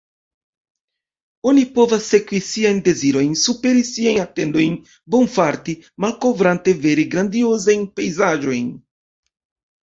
Oni povas sekvi siajn dezirojn, superi siajn atendojn, bonfarti, malkovrante vere grandiozajn pejzaĝojn!